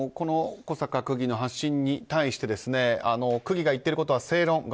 小坂区議の発信に対して区議が言ってることは正論。